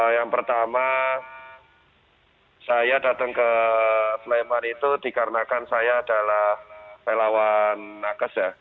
yang pertama saya datang ke sleman itu dikarenakan saya adalah relawan nakes ya